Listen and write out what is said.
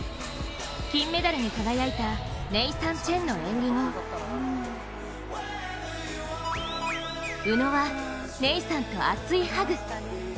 金メダルに輝いたネイサン・チェンの演技後宇野はネイサンと熱いハグ。